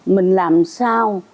mình làm sao